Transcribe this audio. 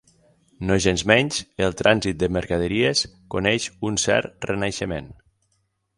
Nogensmenys, el trànsit de mercaderies coneix un cert renaixement.